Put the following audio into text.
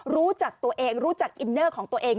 รู้จักตัวเองรู้จักอินเนอร์ของตัวเอง